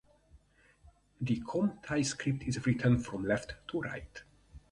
The Khom Thai script is written from left to right.